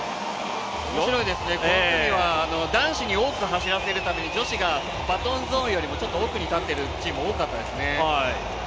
この組は男子に多く走らせるために、女子がバトンゾーンよりちょっと奥に立っているチームが多かったですね。